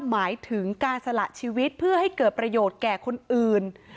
หมายถึงการสละชีวิตเพื่อให้เกิดประโยชน์แก่คนอื่น